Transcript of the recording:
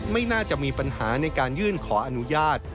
ไม่น่าจะมีปัญหาในการยื่นขออนุญาต